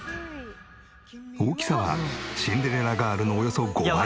大きさは『シンデレラガール』のおよそ５倍。